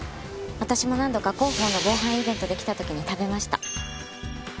私も何度か広報の防犯イベントで来た時に食べました。